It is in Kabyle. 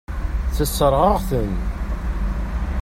Tessṛeɣ-aɣ-ten.